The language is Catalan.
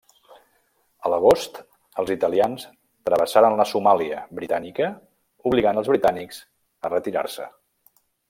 A l'agost, els italians travessaren la Somàlia britànica obligant als britànics a retirar-se.